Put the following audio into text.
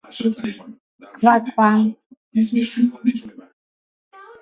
კვაკა